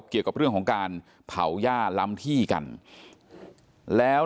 เกี่ยวกับเรื่องของการเผาย่าล้ำที่กันแล้ว